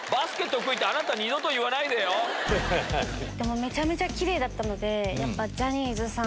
めちゃめちゃキレイだったのでやっぱジャニーズさん。